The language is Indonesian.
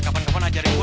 kapan kapan ajarin gue